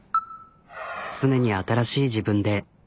常に新しい自分で。